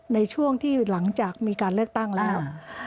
ในช่วงที่หลังจากมีการเลือกตั้งแล้ว